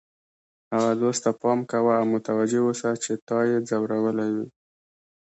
هغه دوست ته پام کوه او متوجه اوسه چې تا یې ځورولی وي.